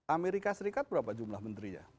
amerika serikat berapa jumlah menterinya